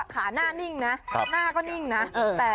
ขาหน้านิ่งนะหน้าก็นิ่งนะ